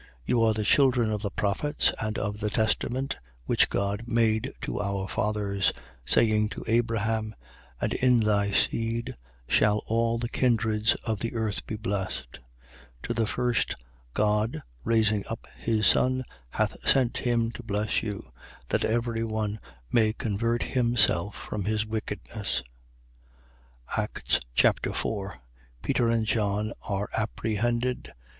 3:25. You are the children of the prophets and of the testament which God made to our fathers, saying to Abraham: And in thy seed shall all the kindreds of the earth be blessed. 3:26. To you first, God, raising up his Son, hath sent him to bless you: that every one may convert himself from his wickedness. Acts Chapter 4 Peter and John are apprehended.